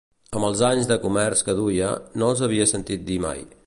Amb els anys de comerç que duia, no els havia sentit dir mai